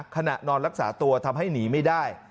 ขณะนอนรักษาตัวทำให้หนีไม่ได้